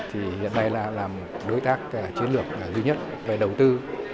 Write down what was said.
hiện nay là đối tác chiến lược duy nhất về đầu tư